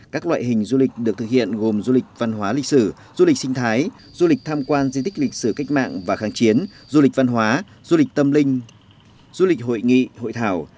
các loại hình du lịch được thực hiện gồm du lịch văn hóa lịch sử du lịch sinh thái du lịch tham quan di tích lịch sử cách mạng và kháng chiến du lịch văn hóa du lịch tâm linh du lịch hội nghị hội thảo